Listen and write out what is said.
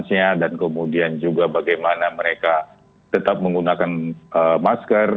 dan ini juga sudah diatur dan kemudian juga bagaimana mereka tetap menggunakan masker